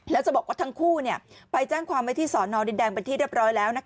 แล้วจะบอกว่าทั้งคู่ไปแจ้งความไว้ที่สอนอดินแดงเป็นที่เรียบร้อยแล้ว